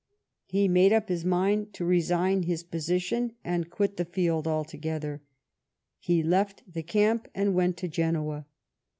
He made up his mind to resign his position and quit the field altogether. He left the camp and went to Genoa.